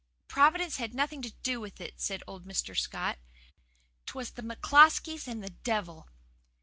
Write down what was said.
"'Providence had nothing to do with it,' said old Mr. Scott. ''Twas the McCloskeys and the devil.